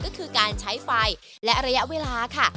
ก็คือการใช้ไฟและระยะเวลาค่ะ